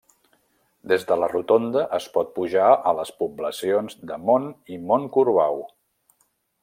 Des de la rotonda es pot pujar a les poblacions de Mont i Montcorbau.